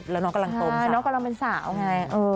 แล้วน้องกำลังโตไงน้องกำลังเป็นสาวไง